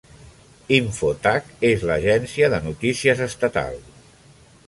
Infotag és l'agència de notícies estatal.